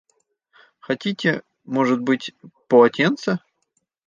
Хотите, может быть, полотенце?